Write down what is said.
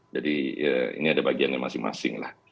jadi ini ada bagiannya masing masing